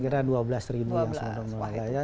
kira kira dua belas ribu yang semula semula